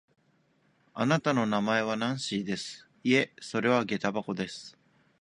あなたの名前はナンシーです。いいえ、それはげた箱です。